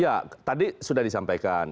ya tadi sudah disampaikan